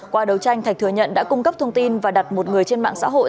qua đấu tranh thạch thừa nhận đã cung cấp thông tin và đặt một người trên mạng xã hội